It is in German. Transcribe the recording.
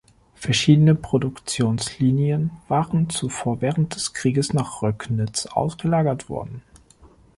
Verschiedene Produktionslinien waren zuvor während des Krieges nach Röcknitz ausgelagert worden.